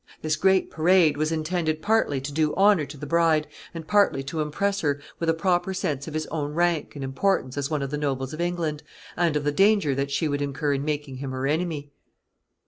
This great parade was intended partly to do honor to the bride, and partly to impress her with a proper sense of his own rank and importance as one of the nobles of England, and of the danger that she would incur in making him her enemy.